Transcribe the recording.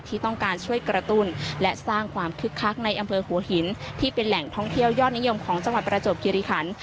ที่ต้องการช่วยกระตุ้นและสร้างความคึกคักในอำเภอหัวหินที่เป็นแหล่งท่องเที่ยวยอดนิยมของจังหวัดประจวบคิริคัน